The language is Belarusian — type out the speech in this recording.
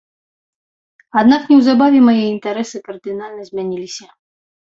Аднак неўзабаве мае інтарэсы кардынальна змяніліся.